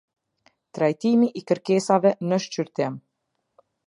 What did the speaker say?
Trajtimi i kërkesave në shqyrtim.